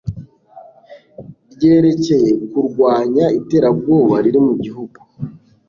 ryerekeye kurwanya iterabwoba riri mugihugu